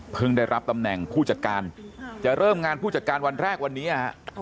ได้รับตำแหน่งผู้จัดการจะเริ่มงานผู้จัดการวันแรกวันนี้